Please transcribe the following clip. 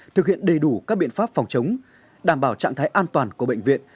thực hiện đầy đủ các biện pháp phòng chống đảm bảo trạng thái an toàn của bệnh viện